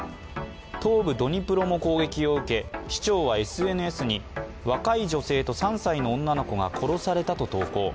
東部ドニプロも攻撃を受け市長はＳＮＳに、若い女性と３歳の女の子が殺されたと投稿。